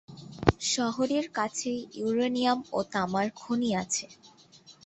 শহরের কাছেই ইউরেনিয়াম ও তামার খনি আছে।